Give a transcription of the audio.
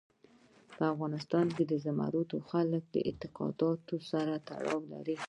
په افغانستان کې زمرد د خلکو د اعتقاداتو سره تړاو لري.